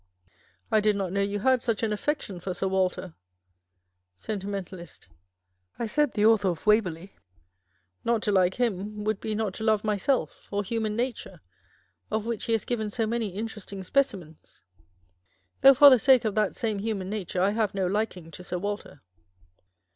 I did not know you had such an affection for Sir Walter Sentimentalist. I said the Author of Waverley. Not to like him would be not to love myself or human nature, of which he has given so many interesting specimens : though for the sake of that same human nature, I have no liking to Sir Walter.